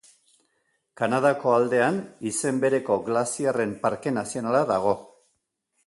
Kanadako aldean izen bereko Glaziarren Parke Nazionala dago.